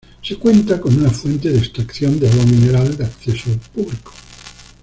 Se cuenta con una fuente de extracción de agua mineral de acceso público.